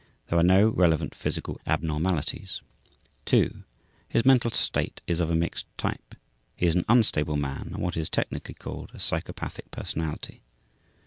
There are no relevant physical abnormalities. 2. His mental state is of a mixed type. He is an unstable man and what is technically called a psychopathic personality.